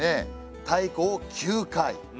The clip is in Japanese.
太鼓を９回。